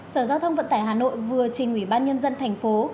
sở giao thông vận tải hà nội vừa trình ủy ban nhân dân thành phố